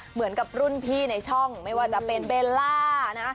เหมือนกับรุ่นพี่ในช่องไม่ว่าจะเป็นเบลล่านะ